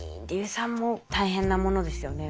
硫酸も大変なものですよね。